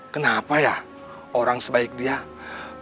kenapa ya orang sebaik dia begitu berat ya